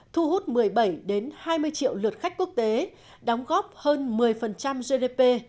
thu hút một mươi bảy hai mươi triệu lượt khách quốc tế đóng góp hơn một mươi gdp